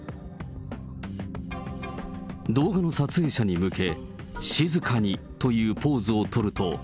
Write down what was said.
動画の撮影者に向け、静かにというポーズを取ると。